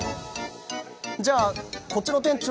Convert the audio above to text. じゃあ、こっちの店長。